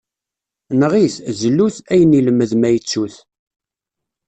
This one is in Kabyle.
Neɣ-it, zlu-t, ayen ilmed, ma ittu-t.